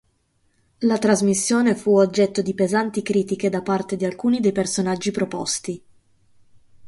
La trasmissione fu oggetto di pesanti critiche da parte di alcuni dei personaggi proposti.